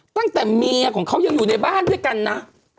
ตั้งแต่เมียของเขายังอยู่ในบ้านด้วยกันนะ